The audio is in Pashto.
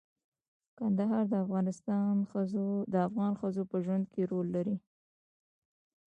کندهار د افغان ښځو په ژوند کې رول لري.